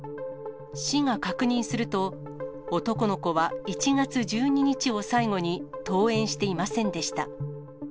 市が確認すると、男の子は１月１２日を最後に、登園していませんでした。